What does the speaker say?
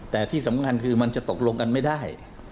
แต่ที่สำคัญคือมันจะตกลงกันไม่ได้